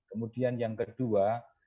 kemudian yang kedua